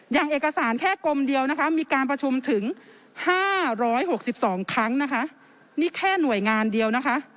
อย่างเอกสารแค่กรมเดียวนะคะมีการประชุมถึง๕๖๒ครั้งนะคะนี่แค่หน่วยงานเดียวนะคะ